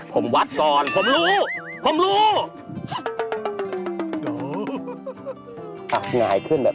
ก็จะมีไม้ตั้งชื่อให้